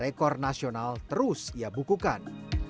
rekor nasional terus ia bukukan